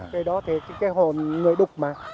cái đó thì cái hồn người đục mà